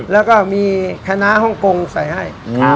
แล้วก็มีคณะฮ่องกงใส่ให้